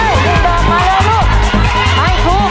พร้อมเลยอีกดอกมาเลยลูก